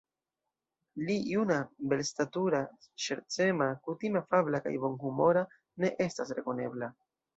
Li, juna, belstatura, ŝercema, kutime afabla kaj bonhumora, ne estas rekonebla.